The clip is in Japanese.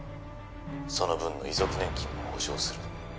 その分の遺族年金も保障する」